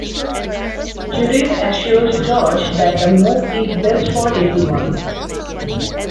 Judith assures Josh that the move is best for everyone.